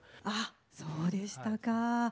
あそうでしたか。